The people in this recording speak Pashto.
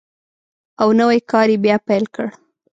او نوی کار یې بیا پیل کړ.